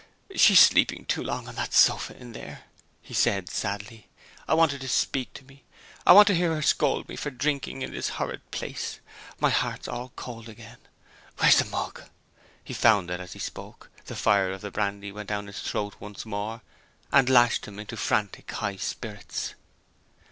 "She's sleeping too long on that sofa, in there," he said sadly. "I want her to speak to me; I want to hear her scold me for drinking in this horrid place. My heart's all cold again. Where's the mug?" He found it, as he spoke; the fire of the brandy went down his throat once more, and lashed him into frantic high spirits.